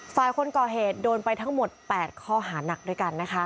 ฝ่ายคนก่อเหตุโดนไปทั้งหมด๘ข้อหานักด้วยกันนะคะ